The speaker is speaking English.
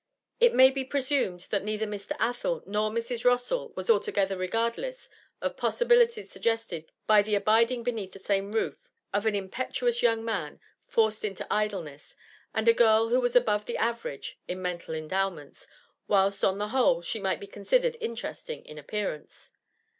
It may be presumed that neither Mr. Athel nor Mrs. Rossall was altogether regardless of possibilities suggested by the abiding beneath the same roof of an impetuous young man, forced into idleness, and a girl who was above the average in mental endowments, whilst, on the whole, she might be considered interesting in appearance.